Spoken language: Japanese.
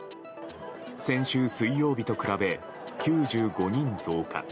先週水曜日と比べ、９５人増加。